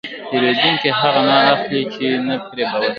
پیرودونکی هغه نه اخلي چې نه پرې باور لري.